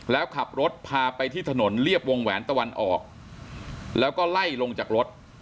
แล้วขับรถพาไปที่ถนนเรียบวงแหวนตะวันออกแล้วก็ไล่ลงจากรถ